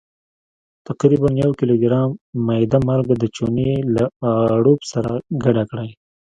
تقریبا یو کیلوګرام میده مالګه د چونې له اړوب سره ګډه کړئ.